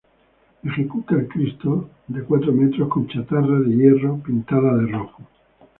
Ejecuta el Cristo, de cuatro metros, con chatarra de hierro pintada de rojo.